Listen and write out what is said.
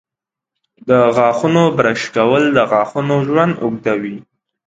د غاښونو برش کول د غاښونو ژوند اوږدوي.